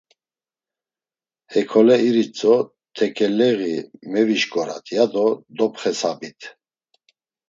Hekole iritzo tekeleği mevişǩorat, ya do dopxesabit.